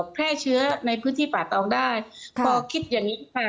แพร่เชื้อในพื้นที่ป่าตองได้พอคิดอย่างงี้อ่า